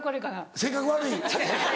性格悪い。